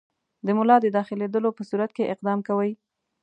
د ملا د داخلېدلو په صورت کې اقدام کوئ.